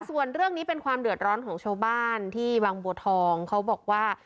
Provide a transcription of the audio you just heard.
ส่วนเรื่องนี้เป็นความเดือดร้อนของชาวบ้านที่วังบัวทองเขาบอกว่า